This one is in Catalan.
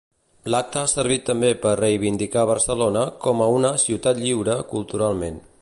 L'acte ha servit també per reivindicar Barcelona com a una "ciutat lliure" culturalment.